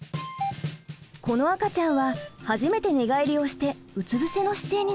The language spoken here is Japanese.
この赤ちゃんは初めて寝返りをしてうつぶせの姿勢になりました。